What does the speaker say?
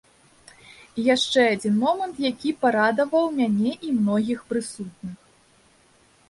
І яшчэ адзін момант, які парадаваў мяне і многіх прысутных.